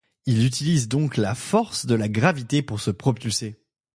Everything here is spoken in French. Il utilise donc la force de la gravité pour se propulser.